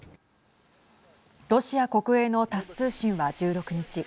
ロシア国営のタス通信は１６日